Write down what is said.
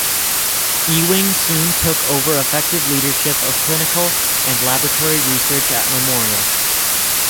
Ewing soon took over effective leadership of clinical and laboratory research at Memorial.